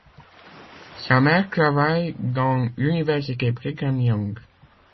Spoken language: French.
Sa mère travaille dans l'Université Brigham Young.